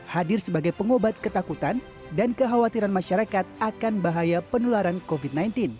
hadir sebagai pengobat ketakutan dan kekhawatiran masyarakat akan bahaya penularan covid sembilan belas